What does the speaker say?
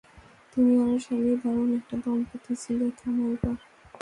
তুমি আর শ্যালি দারুণ একটা দম্পতি ছিলে, থামো এবার!